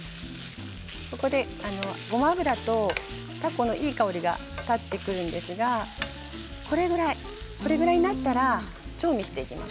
ここでごま油とたこのいい香りが立ってくるんですがこれぐらいになったら調味していきます。